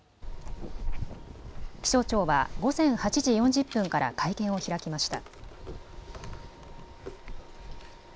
気象庁は午前８時４０分から会見を開きました。